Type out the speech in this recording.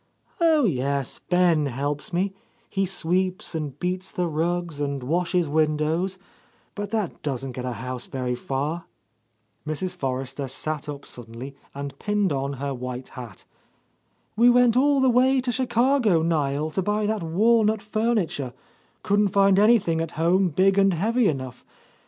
Oh, yes, Ben helps me; he sweeps and beats the rugs and washes windows, but that doesn't get a house very far." Mrs. Forrester sat up suddenly and pinned on her white hat. "We went all the way to Chicago, Niel, to buy that walnut furniture, couldn't find anything at home big and heavy enough.